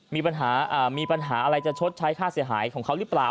มีปัญหามีปัญหาอะไรจะชดใช้ค่าเสียหายของเขาหรือเปล่า